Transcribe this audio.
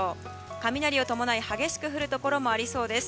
雷を伴い激しく降るところもありそうです。